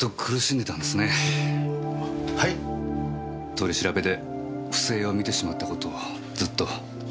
取り調べで不正を見てしまった事をずっと。